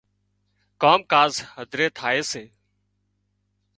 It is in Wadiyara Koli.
ڪام ڪاز هڌري ٿائي سي